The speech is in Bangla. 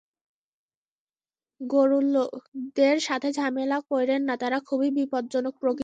গুরুর লোকেদের সাথে ঝামেলা কইরেন না, তারা খুবই বিপজ্জনক প্রকৃতির।